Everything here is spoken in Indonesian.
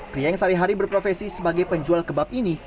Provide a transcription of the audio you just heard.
krieng sehari hari berprofesi sebagai penjual kebab ini